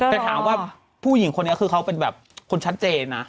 แต่ถามว่าผู้หญิงคนนี้คือเขาเป็นแบบคนชัดเจนนะ